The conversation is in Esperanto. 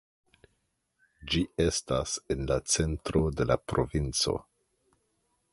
Ĝi estas en la centro de la provinco.